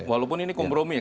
walaupun ini kompromi ya